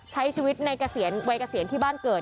ใช้ชีวิตในเกษียณวัยเกษียณที่บ้านเกิด